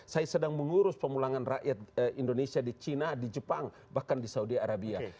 saya sedang mengurus pemulangan rakyat indonesia di china di jepang bahkan di saudi arabia